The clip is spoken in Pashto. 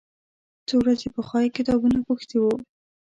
څو ورځې پخوا یې کتابونه غوښتي و.